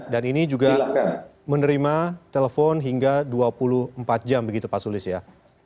dan ini juga menerima telepon hingga dua puluh empat jam begitu pak sulis ya